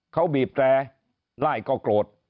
เขาบีบแตร่ไล่ก็โกรธ